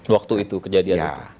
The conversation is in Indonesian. waktu itu kejadian itu